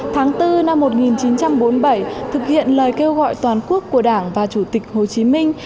tháng bốn năm một nghìn chín trăm bốn mươi bảy thực hiện lời kêu gọi toàn quốc của đảng và chủ tịch hồ chí minh